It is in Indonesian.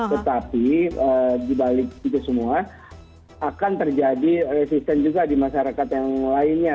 tetapi dibalik itu semua akan terjadi resisten juga di masyarakat yang lainnya